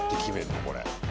これ。